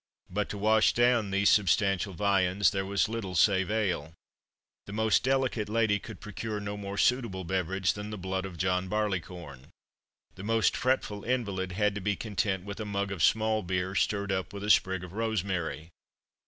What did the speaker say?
But to wash down these substantial viands there was little save ale. The most delicate lady could procure no more suitable beverage than the blood of John Barleycorn. The most fretful invalid had to be content with a mug of small beer, stirred up with a sprig of rosemary.